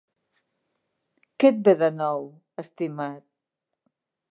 Què et ve de nou, estimat?